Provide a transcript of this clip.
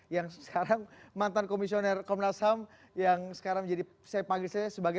yang sekarang mantan komisioner komnas ham yang sekarang menjadi saya panggil saya sebagai